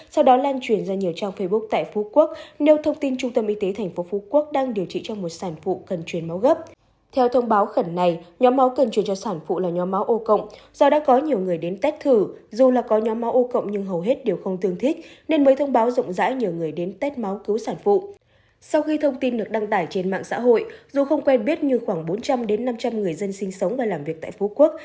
sau khi thông tin được đăng tải trên mạng xã hội dù không quen biết như khoảng bốn trăm linh năm trăm linh người dân sinh sống và làm việc tại phú quốc